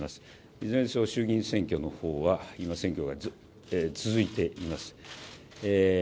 いずれにしろ、衆議院選挙のほうは今、選挙が続いています。